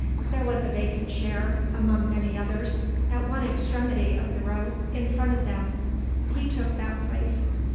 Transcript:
There was a vacant chair (among many others) at one extremity of the row in front of them. He took that place.